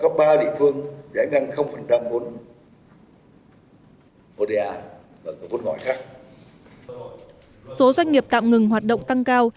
hiệu quả kinh tế các doanh nghiệp tạm ngừng hoạt động tăng cao